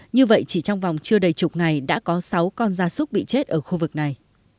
như vậy chỉ trong vòng chưa đầy chục ngày đã có sáu con da súc bị chết ở khu vực này